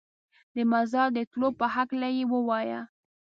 د مزار د تلو په هکله یې ووایه.